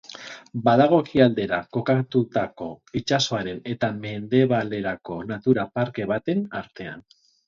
Badago ekialdera kokatutako itsasoaren eta mendebalerako natura-parke baten artean.